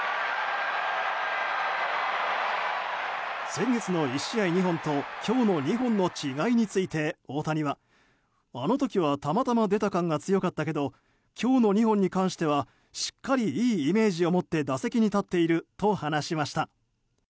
先月の１試合２本と今日の２本の違いについて大谷は、あの時はたまたま出た感が強かったけど今日の２本に関してはしっかりいいイメージを持って打席に立っていると話しました。